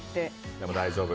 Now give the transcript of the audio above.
でも、大丈夫。